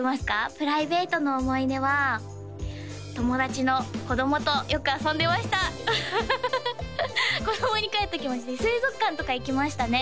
プライベートの思い出は友達の子供とよく遊んでました子供に返った気持ちで水族館とか行きましたね